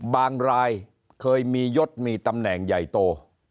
รายเคยมียศมีตำแหน่งใหญ่โต